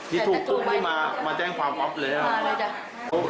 ที่ถูกมีใครมาแจ้งความอัพเลยหรือยัง